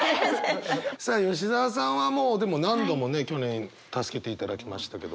さあ吉澤さんはもうでも何度もね去年助けていただきましたけど。